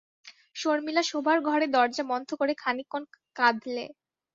শর্মিলা শোবার ঘরে দরজা বন্ধ করে খানিকক্ষণ কাঁদলে।